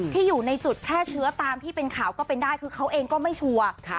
อยู่ในจุดแพร่เชื้อตามที่เป็นข่าวก็เป็นได้คือเขาเองก็ไม่ชัวร์